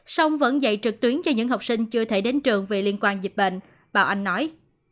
song vẫn dạy trực tuyến cho những học sinh chưa thể đến trường vì liên quan dịch bệnh bảo anh nói